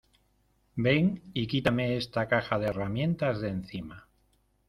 ¡ Ven y quítame esta caja de herramientas de encima!